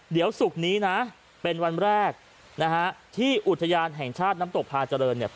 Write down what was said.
เดี๋ยวศุกร์นี้นะเป็นวันแรกนะฮะที่อุทยานแห่งชาติน้ำตกพาเจริญเนี่ย